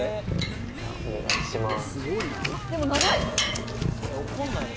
お願いします。